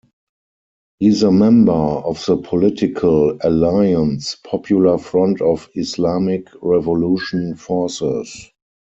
He is a member of the political alliance Popular Front of Islamic Revolution Forces.